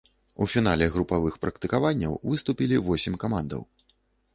У фінале групавых практыкаванняў выступілі восем камандаў.